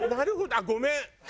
あっごめん。